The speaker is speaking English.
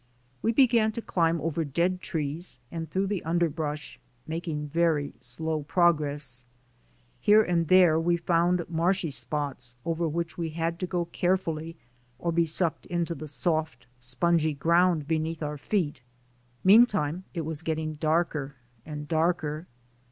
We began to climb over dead trees and through the underbrush, making very slow progress. Here and there we found marshy spots over which we had to go carefully or be sucked into the soft, spongy ground beneath our feet. Meantime it was getting darker and darker.